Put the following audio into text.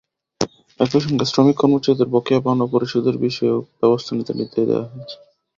একই সঙ্গে শ্রমিক-কর্মচারীদের বকেয়া পাওনা পরিশোধের বিষয়েও ব্যবস্থা নিতে নির্দেশ দেওয়া হয়েছে।